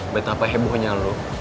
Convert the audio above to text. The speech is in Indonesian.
betapa hebohnya lo